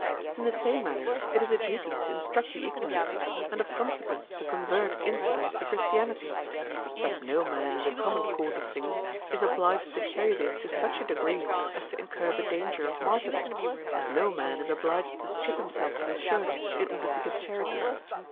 In the same manner it is a duty to instruct the ignorant, and of consequence to convert infidels to Christianity; but no man in the common course of things is obliged to carry this to such a degree as to incur the danger of martyrdom, as no man is obliged to strip himself to the shirt in order to give charity.